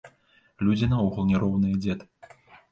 Людзі наогул не роўныя, дзед.